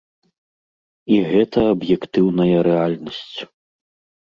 І гэта аб'ектыўная рэальнасць.